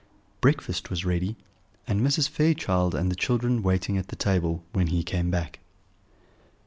Breakfast was ready, and Mrs. Fairchild and the children waiting at the table, when he came back.